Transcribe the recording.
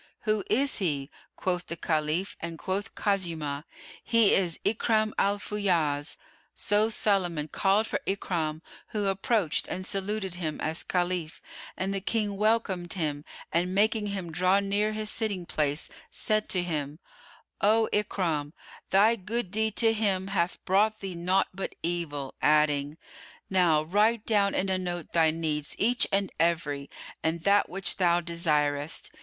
"Who is he?" quoth the Caliph and quoth Khuzaymah, "He is Ikrimah Al Fayyaz." So Sulayman called for Ikrimah, who approached and saluted him as Caliph; and the King welcomed him and making him draw near his sitting place, said to him, "O Ikrimah, thy good deed to him hath brought thee naught but evil," adding, "Now write down in a note thy needs each and every, and that which thou desirest."